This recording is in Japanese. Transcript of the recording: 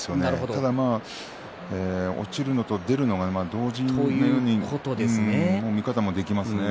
ただ、落ちるのと出るのが同時という見方もできますね。